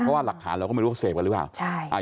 เพราะว่าหลักฐานเราก็ไม่รู้ว่าเสพกันหรือเปล่า